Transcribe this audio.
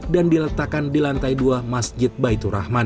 dan diletakkan di lantai dua masjid battur rahman